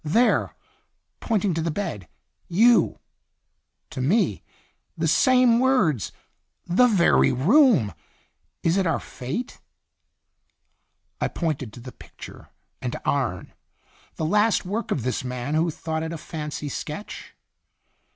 "There," pointing to the bed; "you" to me; "the 30 &n Itinerant same words the very room ! Is it our fate?" I pointed to the picture and to Arne. " The last work of this man, who thought it a fancy sketch?"